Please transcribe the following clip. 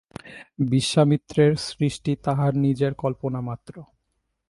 বিশ্বামিত্রের সৃষ্টি তাঁহার নিজের কল্পনামাত্র।